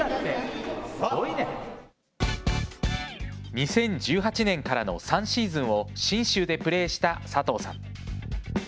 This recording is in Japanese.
２０１８年からの３シーズンを信州でプレーした佐藤さん。